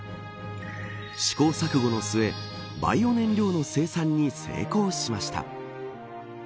試行錯誤の末バイオ燃料の生産に成功しました。